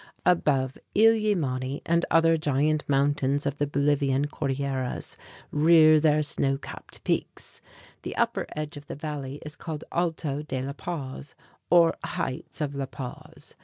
Above Illimani (eel yee mah´ nee) and other giant mountains of the Bolivian Cordilleras rear their snow capped peaks. The upper edge of the valley is called the Alto de La Paz, or Heights of La Paz.